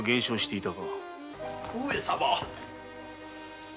上様。